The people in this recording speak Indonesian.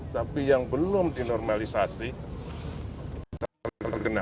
tapi yang belum dinormalisasi terkena